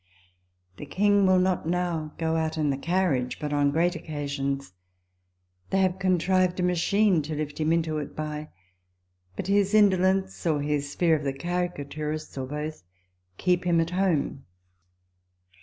The King will not now go out in the carriage but on great occasions. They have contrived a machine to lift him into it by ; but his indolence, or his fear of the caricaturists, or both, keep him at home.